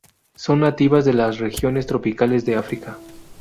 Son nativas de las regiones tropicales de África.